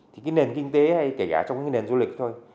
thì cái nền kinh tế hay kể cả trong cái nền du lịch thôi